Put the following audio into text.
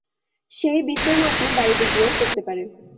সেই বিশ্রাম আপনি বাড়িতে গিয়েও করতে পারেন।